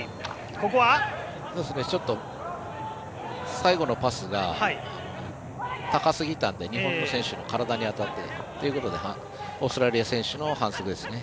最後のパスが高すぎたので日本の選手の体に当たってということでオーストラリア選手の反則ですね。